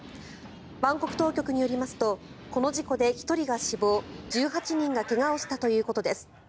バンコク当局によりますとこの事故で１人が死亡１８人が怪我をしたということです。